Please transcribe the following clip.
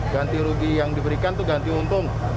ganti rugi yang diberikan itu ganti untung